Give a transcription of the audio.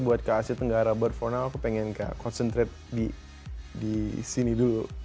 buat ke asia tenggara but for now aku pengen kayak concentrate di sini dulu